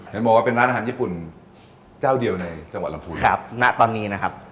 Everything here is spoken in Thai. เห็นบอกว่าเป็นร้านอาหารญี่ปุ่นเจ้าเดียวในจังหวัดลำพูนครับณตอนนี้นะครับ